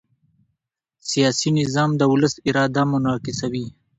سیاسي نظام د ولس اراده منعکسوي